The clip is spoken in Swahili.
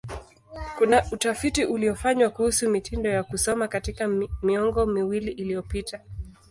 Kuna utafiti uliofanywa kuhusu mitindo ya kusoma katika miongo miwili iliyopita.